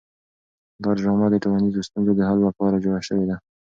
دا ډرامه د ټولنیزو ستونزو د حل لپاره جوړه شوې ده.